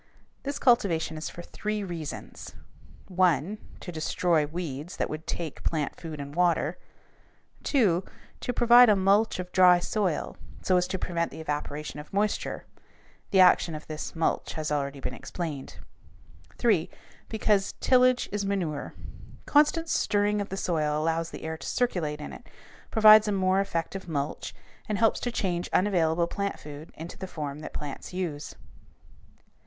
This cultivation is for three reasons: 1. To destroy weeds that would take plant food and water. 2. To provide a mulch of dry soil so as to prevent the evaporation of moisture. The action of this mulch has already been explained. 3. Because "tillage is manure." Constant stirring of the soil allows the air to circulate in it, provides a more effective mulch, and helps to change unavailable plant food into the form that plants use.